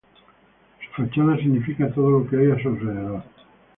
Su fachada significa todo lo que hay a su alrededor.